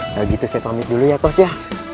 kalau gitu saya pamit dulu ya kos ya